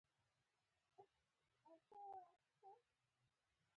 له خوښیه ټولې پورته والوتلې.